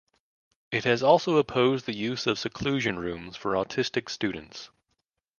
It has also opposed the use of seclusion rooms for autistic students.